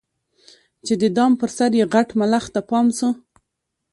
چي د دام پر سر یې غټ ملخ ته پام سو